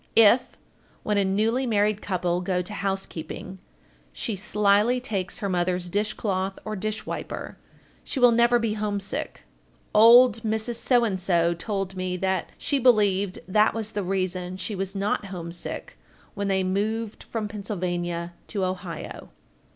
If, when a newly married couple go to housekeeping, she slyly takes her mother's dish cloth or dish wiper, she will never be homesick. Old Mrs. told me that she believed that was the reason she was not homesick when they moved from Pennsylvania to Ohio.